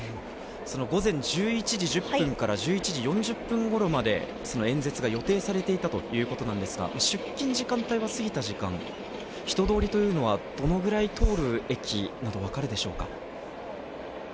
午前１１時１０分から１１時４０分頃まで演説が予定されていたということなんですが出勤時間帯は過ぎた時間、人通りというのはどのぐらい通る駅なのか分かりますでしょうか？